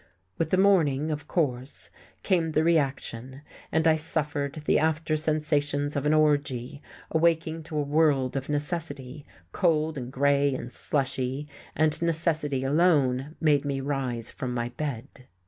With the morning, of course, came the reaction, and I suffered the after sensations of an orgie, awaking to a world of necessity, cold and grey and slushy, and necessity alone made me rise from my bed.